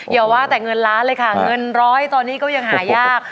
อย่าว่าแต่เงินล้านเลยค่ะเงินร้อยตอนนี้ก็ยังหายาก